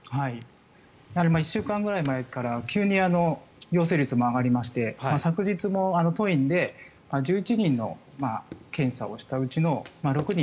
１週間ぐらい前から急に陽性率も上がりまして昨日も当院で１１人の検査をしたうちの６人。